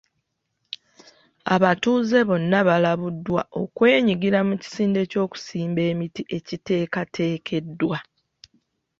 Abatuuze bonna balabuddwa okwenyigira mu kisinde ky'okusimba emiti ekiteekateekeddwa.